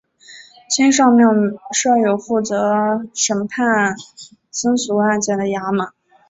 新召庙设有负责审判僧俗案件的衙门。